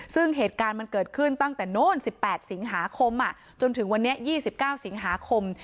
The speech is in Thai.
ซึ่งเหตุการณ์มันเกิดขึ้นตั้งแต่โน้นสิบแปดสิงหาคมอ่ะจนถึงวันนี้ยี่สิบเก้าสิงหาคม